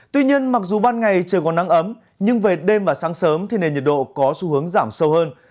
tuy nhiên mặc dù ban ngày trời còn nắng ấm nhưng về đêm và sáng sớm thì nền nhiệt độ có xu hướng giảm sâu hơn